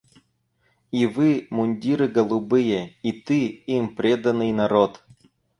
И вы, мундиры голубые, И ты, им преданный народ.